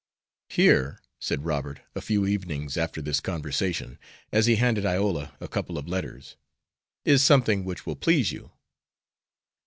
"Here," said Robert, a few evenings after this conversation, as he handed Iola a couple of letters, "is something which will please you."